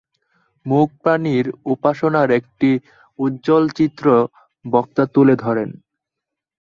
মূক প্রাণীর উপাসনার একটি উজ্জ্বল চিত্র বক্তা তুলে ধরেন।